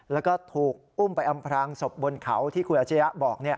แล้วก็ถูกอุ้มไปอำพลางศพบนเขาที่คุณอาชียะบอก